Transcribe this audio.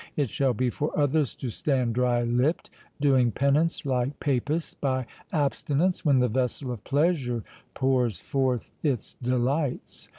It shall be for others to stand dry lipped, doing penance, like papists, by abstinence, when the vessel of pleasure pours forth its delights.